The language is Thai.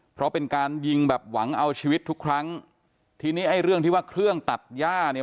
เพราะเป็นการยิงแบบหวังเอาชีวิตทุกครั้งทีนี้ไอ้เรื่องที่ว่าเครื่องตัดย่าเนี่ย